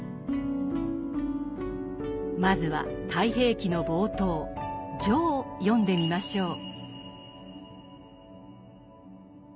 まずは「太平記」の冒頭「序」を読んでみましょう。